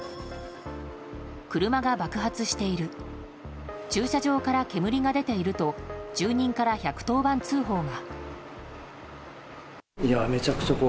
車が爆発している駐車場から煙が出ていると住人から１１０番通報が。